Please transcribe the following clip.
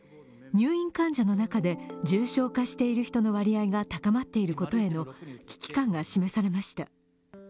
入院患者の中で重症化している人の割合が高まっていることへの危機感が示されました。